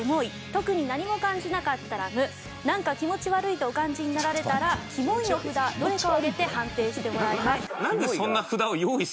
特に何も感じなかったら「無」なんか気持ち悪いとお感じになられたら「キモい」の札どれかを上げて判定してもらいます。